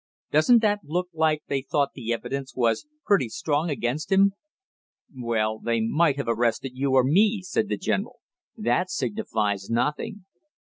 Don't that look like they thought the evidence was pretty strong against him " "Well, they, might have arrested you or me," said the general. "That signifies nothing."